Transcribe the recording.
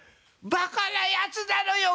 バカなやつだろよ